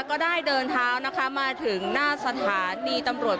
ก็ได้เดินเท้านะคะมาถึงหน้าสถานีตำรวจ